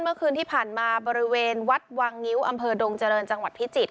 เมื่อคืนที่ผ่านมาบริเวณวัดวังงิ้วอำเภอดงเจริญจังหวัดพิจิตร